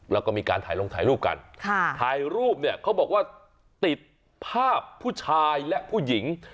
แล้วก็มีการถ่ายลงถ่ายรูปกันถ่ายรูปเนี่ยเขาบอกว่าติดภาพผู้ชายและผู้หญิง